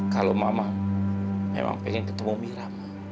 kalau mama memang pengen ketemu mira